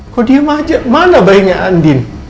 kok diem aja mana bayinya andin